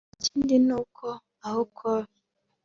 Ikindi ni uko aho Col